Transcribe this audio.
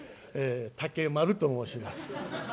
竹丸と申します。